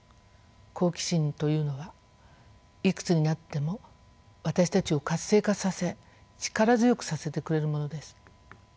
好奇心というのはいくつになっても私たちを活性化させ力強くさせてくれるものです。